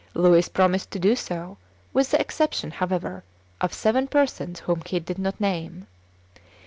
Louis promised to do so, with the exception, however, of seven persons whom he did not name.